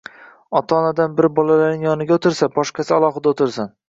ota-onadan biri bolalarning yoniga o‘tirsa, boshqasi alohida o‘tirsin.